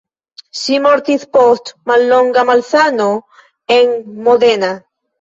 Ŝi mortis post mallonga malsano en Modena.